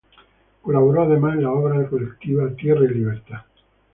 Colaboró además en la obra colectiva "Tierra y Libertad.